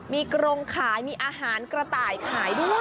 มีกรงขายมีอาหารกระต่ายขายด้วย